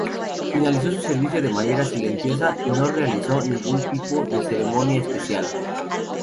Finalizó su servicio de manera silenciosa y no realizó ningún tipo de ceremonia especial.